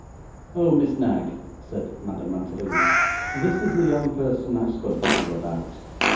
'Oh, Miss Knag,' said Madame Mantalini, 'this is the young person I spoke to you about.